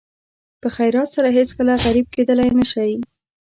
په خیرات سره هېڅکله غریب کېدلی نه شئ.